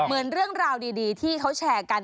เหมือนเรื่องราวดีที่เขาแชร์กัน